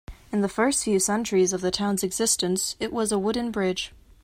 In the first few centuries of the town's existence, it was a wooden bridge.